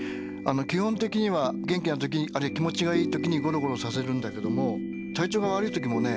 基本的には元気な時あるいは気持ちがいい時にゴロゴロさせるんだけども体調が悪い時もね